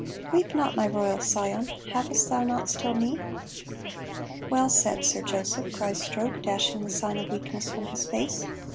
"Weep not, my royal scion, havest thou not still me?" "Well said, Sir Joseph," cries Stroke, dashing the sign of weakness from his face.